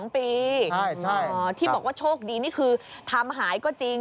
๒ปีที่บอกว่าโชคดีนี่คือทำหายก็จริง